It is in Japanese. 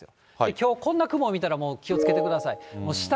きょう、こんな雲を見たら、気をつけてください。